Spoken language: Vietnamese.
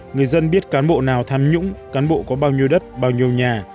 người dân biết cán bộ nào tham nhũng cán bộ có bao nhiêu đất bao nhiêu nhà